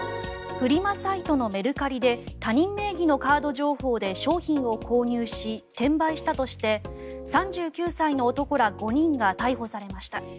フリマサイトのメルカリで他人名義のカード情報で商品を購入し、転売したとして３９歳の男ら５人が逮捕されました。